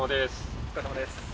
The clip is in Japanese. お疲れさまです。